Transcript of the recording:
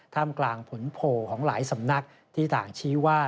กลางผลโผล่ของหลายสำนักที่ต่างชี้ว่า